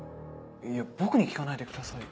いや僕に聞かないでください。